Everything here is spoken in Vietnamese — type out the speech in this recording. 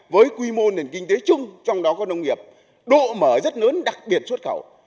với quy mô nền kinh tế chung trong đó có nông nghiệp độ mở rất lớn đặc biệt xuất khẩu